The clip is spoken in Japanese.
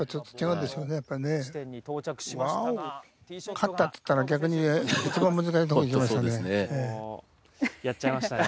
「勝った」って言ったら逆にいちばん難しいとこ行きましたね。